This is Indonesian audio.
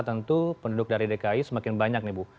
tentu penduduk dari dki semakin banyak